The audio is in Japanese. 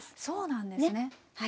そうなんですね。